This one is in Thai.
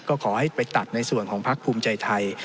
ก็ขอให้ไปตัดในส่วนของพักภูมิใจไทย